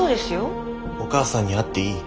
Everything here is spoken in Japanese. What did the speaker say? お母さんに会っていい？